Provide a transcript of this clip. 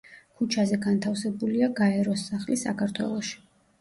ქუჩაზე განთავსებულია გაეროს სახლი საქართველოში.